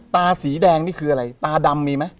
ตาสีแดงนี่คืออะไรตาดำมีไหม